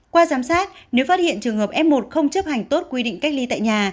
qua giám sát nếu phát hiện trường hợp f một không chấp hành tốt quy định cách ly tại nhà